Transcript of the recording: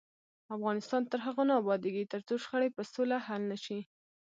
افغانستان تر هغو نه ابادیږي، ترڅو شخړې په سوله حل نشي.